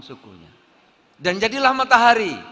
sukunya dan jadilah matahari